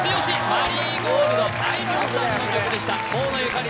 「マリーゴールド」あいみょんさんの曲でした河野ゆかり